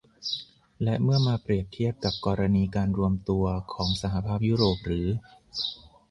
และเมื่อมาเปรียบเทียบกับกรณีการรวมตัวของสหภาพยุโรปหรือ